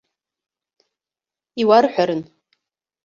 Иуарҳәарын.